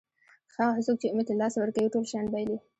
هغه څوک چې امید له لاسه ورکوي ټول شیان بایلي.